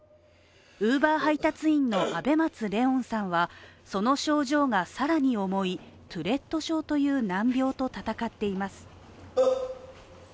ウーバー配達員のあべ松怜音さんはその症状が更に重いトゥレット症という難病と闘っています。